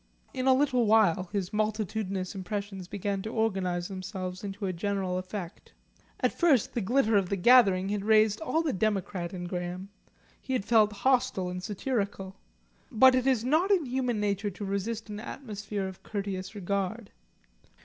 In a little while his multitudinous impressions began to organise themselves into a general effect. At first the glitter of the gathering had raised all the democrat in Graham; he had felt hostile and satirical. But it is not in human nature to resist an atmosphere of courteous regard.